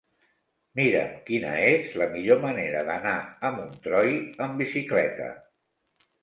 Mira'm quina és la millor manera d'anar a Montroi amb bicicleta.